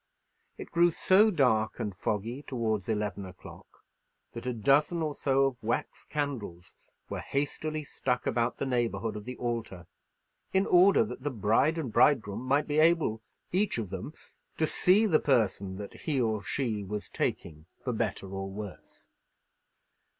It grew so dark and foggy towards eleven o'clock, that a dozen or so of wax candles were hastily stuck about the neighbourhood of the altar, in order that the bride and bridegroom might be able, each of them, to see the person that he or she was taking for better or worse.